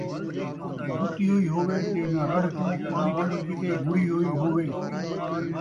جُتی ہوئی ہووے تے نہ رَڑھ کوں پاݨیں ݙیوݨ کیتے وُڑھی ہوئی ہووے،